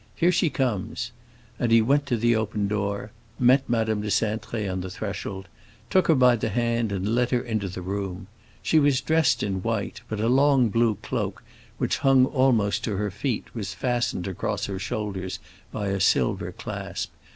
"Here she comes!" And he went to the open door, met Madame de Cintré on the threshold, took her by the hand, and led her into the room. She was dressed in white; but a long blue cloak, which hung almost to her feet, was fastened across her shoulders by a silver clasp.